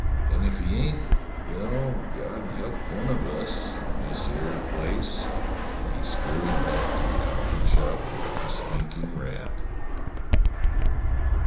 and if he ain't — well, God help one of us in this 'ere place!" And he scurried back to the coffin shop like a sneaking rat.